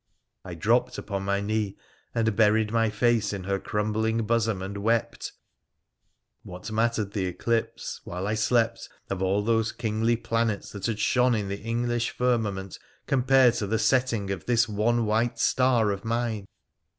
I dropped upon my knee and buried my face in her crumbling bosom and wept. What mattered the eclipse while I slept of all those kingly planets that had shone in the English firmament compared to the setting of this one white star of mine